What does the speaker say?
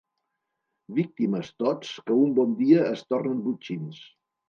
Víctimes, tots, que un bon dia es tornen botxins.